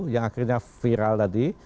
yang akhirnya viral tadi